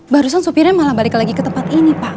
barusan supirnya malah balik lagi ke tempat ini pak